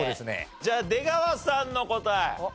じゃあ出川さんの答え。